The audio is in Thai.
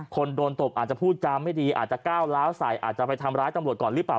คนโดนตบอาจจะพูดจาไม่ดีอาจจะก้าวล้าวใส่อาจจะไปทำร้ายตำรวจก่อนหรือเปล่า